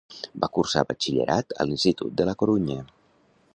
Va cursar Batxillerat a l'Institut de la Corunya.